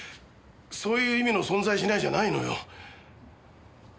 そういう意味の「存在しない」じゃないのよ。